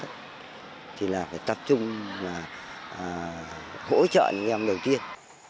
thì là phải tập trung và hỗ trợ người em đầu tiên